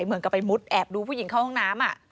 เหมือนกับไปมุดแอบดูผู้หญิงเข้าห้องน้ำ